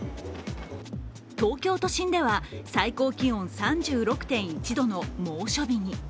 東京都心では、最高気温３６．１度の猛暑日に。